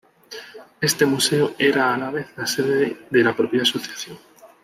Este museo era a la vez la sede de la propia asociación.